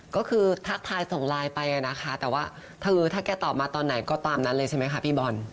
ก็คือทักทายส่งไลน์ไปนะคะแต่ว่าคือถ้าแกตอบมาตอนไหนก็ตามนั้นเลยใช่ไหมคะพี่บอล